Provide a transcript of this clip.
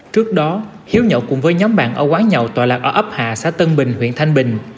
trước đó hiếu nhậu cùng với nhóm bạn ở quán nhậu tòa lạc ở ấp hà xã tân bình huyện thanh bình